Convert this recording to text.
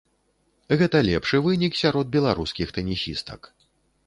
Гэта лепшы вынік сярод беларускіх тэнісістак.